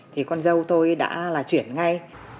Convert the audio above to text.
thì con dâu tôi đã là chuyển ngay